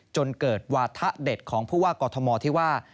จนเกิดวาธะเด็ดของผู้ว่ากอทมที่ว่า